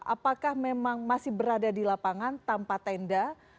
apakah memang masih berada di lapangan tanpa tenda